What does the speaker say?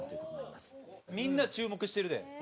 大倉：みんな注目してるで。